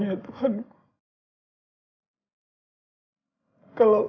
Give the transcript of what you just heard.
ibu kandung hamba ya allah